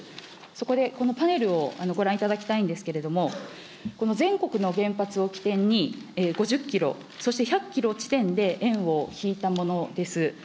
そこで、このパネルをご覧いただきたいんですけれども、この全国の原発を起点に、５０キロ、そして１００キロ地点で円を引いたものです。